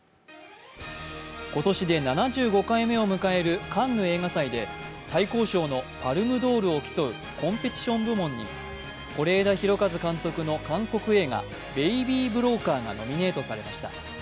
今年で７５回目を迎えるカンヌ映画祭で最高賞のパルムドールを競うコンペティション部門に是枝裕和監督の韓国映画「ベイビー・ブローカー」がノミネートされました。